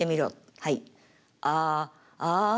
「はい」。